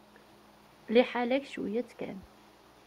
Liḥala-k, cwiya-tt kan.